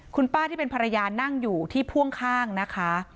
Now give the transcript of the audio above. คุณป้าที่เป็นภรรยานั่งอยู่ที่พ่วงข้างนะคะ